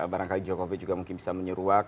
barangkali jokowi juga mungkin bisa menyeruak